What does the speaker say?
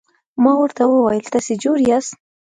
ما ورته وویل: تاسي جوړ یاست؟